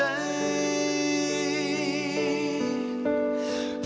สวัสดีครับ